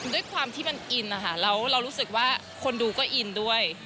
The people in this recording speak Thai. ด้วยความที่มันอินนะคะแล้วเรารู้สึกว่าคนดูก็อินด้วย